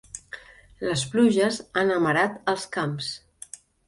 Les pluges han amarat els camps.